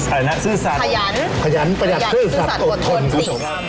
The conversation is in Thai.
อะไรนะซื่อสารขยันประหยัดซื่อสารอดทนสิครับผม